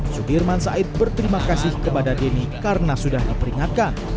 sudirman said berterima kasih kepada denny karena sudah diperingatkan